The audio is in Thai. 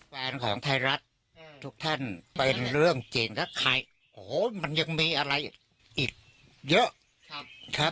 แฟนของไทยรัฐทุกท่านเป็นเรื่องจริงถ้าใครโอ้โหมันยังมีอะไรอีกเยอะครับ